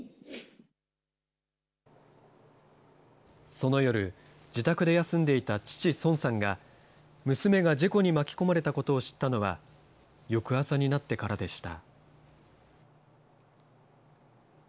その夜、自宅で休んでいた父、ソンさんが、娘が事故に巻き込まれたことを知ったのは、よくあさになってからでした。